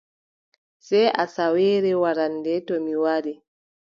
Sey asawaare warande, to mi wari.